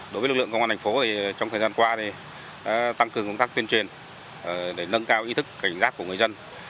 đối với lực lượng công an thành phố trong thời gian qua tăng cường công tác tuyên truyền để nâng cao ý thức cảnh giác của người dân